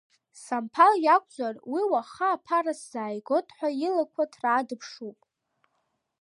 Самԥал иакәзар, уи уаха аԥара сзааигоит ҳәа илақәа ҭраа дыԥшуп.